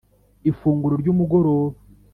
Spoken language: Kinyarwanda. ifunguro ryumugoroba.